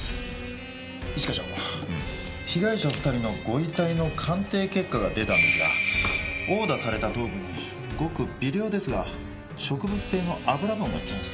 一課長被害者２人のご遺体の鑑定結果が出たんですが殴打された頭部にごく微量ですが植物性の油分が検出されました。